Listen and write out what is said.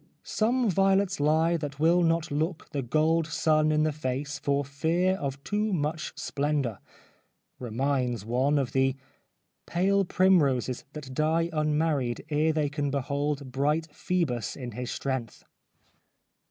' Some violets lie That will not look the gold sun in the face For fear of too much splendour '— reminds one of the ' Pale primroses That die unmarried ere they can behold Bright Phoebus in his strength.'